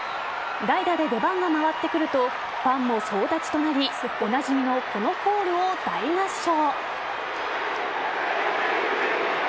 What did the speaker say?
代打で出番が回ってくるとファンも総立ちとなりおなじみのこのコールを大合唱。